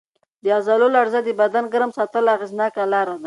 د عضلو لړزه د بدن ګرم ساتلو اغېزناکه لار ده.